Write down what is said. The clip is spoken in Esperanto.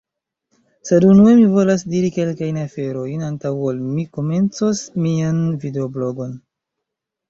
Sed unue, mi volas diri kelkajn aferojn, antaŭ ol mi komencos mian videoblogon.